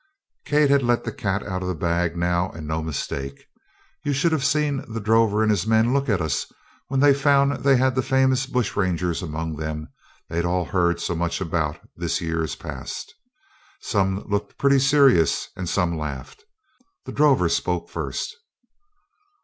Kate had let the cat out of the bag now and no mistake. You should have seen the drover and his men look at us when they found they had the famous bush rangers among them that they'd all heard so much about this years past. Some looked pretty serious and some laughed. The drover spoke first.